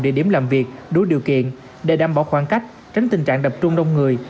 địa điểm làm việc đối điều kiện để đảm bảo khoảng cách tránh tình trạng đập trung đông người